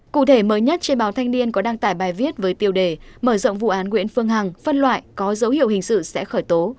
cụ thể mới nhất trên báo thanh niên có đăng tải bài viết với tiêu đề mở rộng vụ án nguyễn phương hằng phân loại có dấu hiệu hình sự sẽ khởi tố